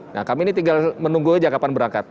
nah kami ini tinggal menunggu jakapan berangkat